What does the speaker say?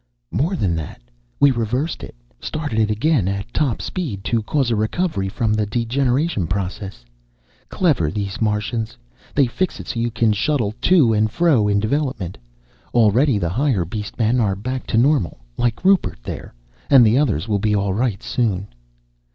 "More than that. We reversed it, started it again at top speed to cause a recovery from the degeneration process. Clever, these Martians they fix it so you can shuttle to and fro in development. Already the higher beast men are back to normal, like Rupert there, and the others will be all right, soon."